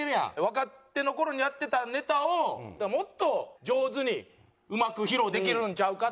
若手の頃にやってたネタをもっと上手にうまく披露できるんちゃうか？